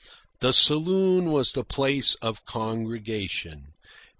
The saloon was the place of congregation.